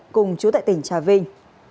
cùng chú tại tỉnh trà vinh